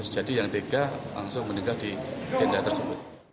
jadi yang tiga langsung meninggal di tenda tersebut